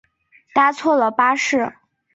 搭错了巴士